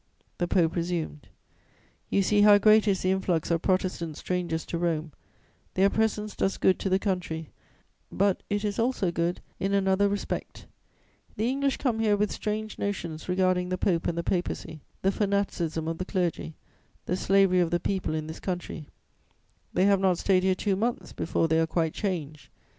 "The Pope resumed: "'You see how great is the influx of Protestant strangers to Rome: their presence does good to the country; but it is also good in another respect: the English come here with strange notions regarding the Pope and the Papacy, the fanaticism of the clergy, the slavery of the people in this country; they have not stayed here two months before they are quite changed.